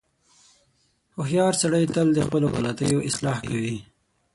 • هوښیار سړی تل د خپلو غلطیو اصلاح کوي.